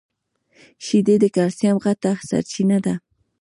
شیدې د کلیسم غټه سرچینه ده.